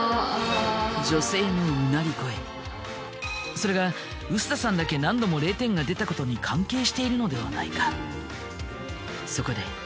それが臼田さんだけ何度も０点が出たことに関係しているのではないか。